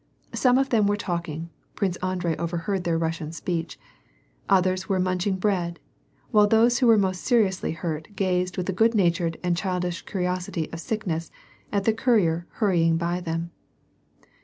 Some of them were talking (Prince Andrei overheard their Russian speech), others were munching bread, while those who were most seriously hurt gazed with the good natured and childish curiosity of sickness at the courier hurrying by them.